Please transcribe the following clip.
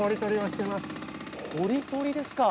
掘り取りですか。